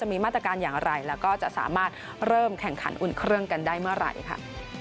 มีมาตรการอย่างไรแล้วก็จะสามารถเริ่มแข่งขันอุ่นเครื่องกันได้เมื่อไหร่ค่ะ